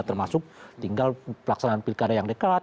termasuk tinggal pelaksanaan pilkada yang dekat